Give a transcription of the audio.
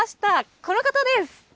この方です。